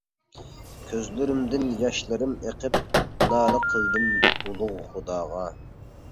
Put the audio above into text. كۆزلىرىمدىن ياشلىرىم ئېقىپ، نالە قىلدىم ئۇلۇغ خۇداغا.